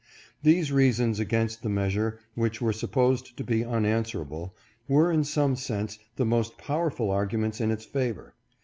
These reasons against the measure which were supposed to be unanswerable, were in some sense the most powerful arguments in its favor.